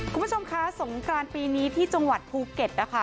คุณผู้ชมคะสงกรานปีนี้ที่จังหวัดภูเก็ตนะคะ